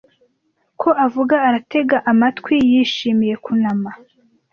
ko avuga aratega amatwi yishimiye kunama